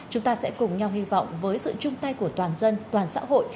chúng ta sẽ cùng nhau hy vọng với sự chung tay của toàn dân toàn xã hội